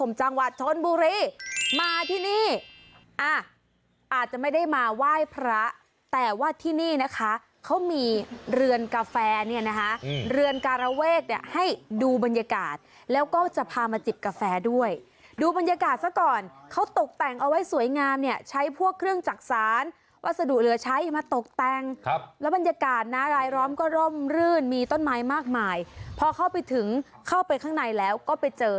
จังหวัดชนบุรีมาที่นี่อ่ะอาจจะไม่ได้มาไหว้พระแต่ว่าที่นี่นะคะเขามีเรือนกาแฟเนี่ยนะคะเรือนการเวกเนี่ยให้ดูบรรยากาศแล้วก็จะพามาจิบกาแฟด้วยดูบรรยากาศซะก่อนเขาตกแต่งเอาไว้สวยงามเนี่ยใช้พวกเครื่องจักษานวัสดุเหลือใช้มาตกแต่งครับแล้วบรรยากาศนะรายล้อมก็ร่มรื่นมีต้นไม้มากมายพอเข้าไปถึงเข้าไปข้างในแล้วก็ไปเจอ